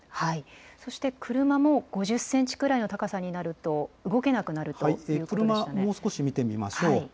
そして、車も５０センチくらいの高さになると、動けなくなる車、もう少し見てみましょう。